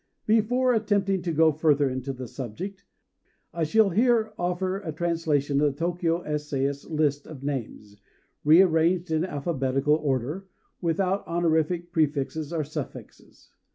Before attempting to go further into the subject, I shall here offer a translation of the Tôkyô essayist's list of names, rearranged in alphabetical order, without honorific prefixes or suffixes.